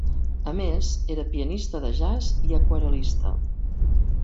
A més era pianista de jazz i aquarel·lista.